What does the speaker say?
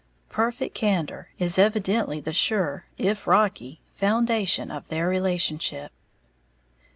Perfect candor is evidently the sure, if rocky, foundation of their relationship.